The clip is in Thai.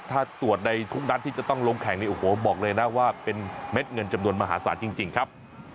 ถ้าตรวจในทุกนัดที่จะต้องลงแข่งนี่โอ้โหบอกเลยนะว่าเป็นเม็ดเงินจำนวนมหาศาลจริงครับ